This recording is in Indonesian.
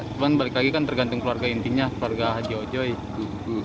tapi balik lagi kan tergantung keluarga intinya keluarga jawa jawa